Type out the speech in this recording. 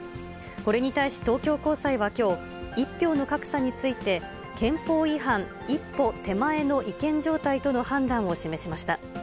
これに対し東京高裁はきょう、１票の格差について、憲法違反一歩手前の違憲状態との判断を示しました。